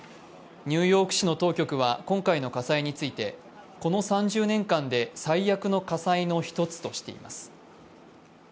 ニューヨーク市の当局は今回の火災についてこの３０年間で最悪の火災の一つとしています。